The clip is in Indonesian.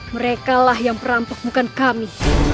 mereka lah yang perampok bukan kami